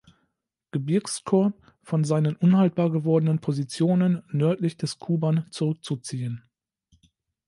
Gebirgskorps von seinen unhaltbar gewordenen Positionen nördlich des Kuban zurückzuziehen.